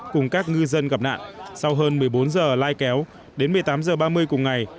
cùng các ngư dân gặp nạn sau hơn một mươi bốn giờ lai kéo đến một mươi tám h ba mươi cùng ngày